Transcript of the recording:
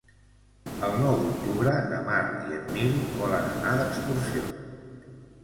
El nou d'octubre na Mar i en Nil volen anar d'excursió.